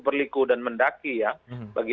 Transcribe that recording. berliku dan mendaki ya bagi